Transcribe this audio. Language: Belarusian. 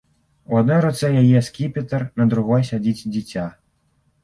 У адной руцэ яе скіпетр, на другой сядзіць дзіця.